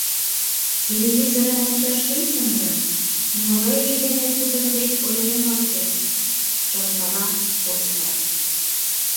«Телевизорым ончаш шинчын гын, нимогай вий дене тудын деч ойырен от керт», — шонкала Оскар.